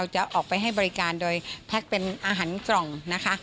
จะออกไปให้บริการโดยแพ็คเป็นอาหารกล่องนะคะ